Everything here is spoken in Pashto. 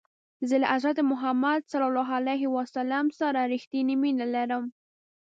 زه له حضرت محمد ص سره رښتنی مینه لرم.